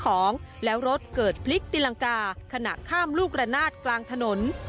ของแล้วรถเกิดพลิกตีลังกาขณะข้ามลูกระนาดกลางถนน